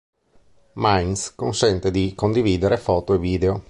Minds consente di condividere foto e video.